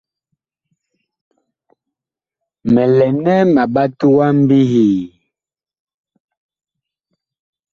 Mi lɛ nɛ ma ɓat wa mbihii ?